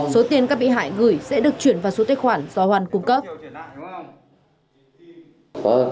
số tiền các bị hại gửi sẽ được chuyển vào số tài khoản do hoàn cung cấp